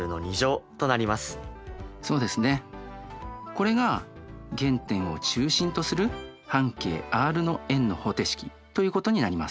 これが原点を中心とする半径ｒの円の方程式ということになります。